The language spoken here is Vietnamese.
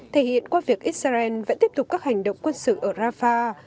thể hiện qua việc israel vẫn tiếp tục các hành động quân sự ở rafah